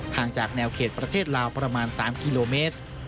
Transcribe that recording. จากแนวเขตประเทศลาวประมาณ๓กิโลเมตร